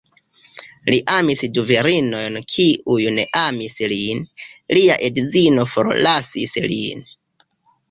Li amis du virinojn kiuj ne amis lin; lia edzino forlasis lin.